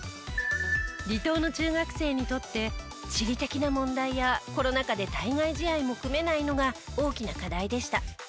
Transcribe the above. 離島の中学生にとって地理的な問題やコロナ禍で対外試合も組めないのが大きな課題でした。